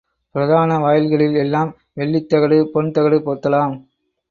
பிரதான வாயில்களில் எல்லாம் வெள்ளித் தகடு, பொன் தகடு போர்த்தலாம்.